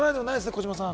児嶋さん。